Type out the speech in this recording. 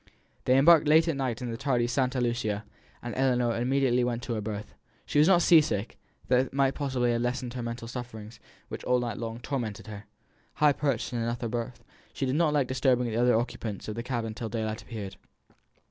They embarked late that evening in the tardy Santa Lucia, and Ellinor immediately went to her berth. She was not sea sick; that might possibly have lessened her mental sufferings, which all night long tormented her. High perched in an upper berth, she did not like disturbing the other occupants of the cabin till daylight appeared.